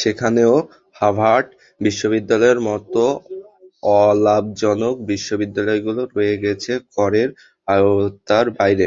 সেখানেও হার্ভার্ড বিশ্ববিদ্যালয়ের মতো অলাভজনক বিশ্ববিদ্যালয়গুলো রয়ে গেছে করের আওতার বাইরে।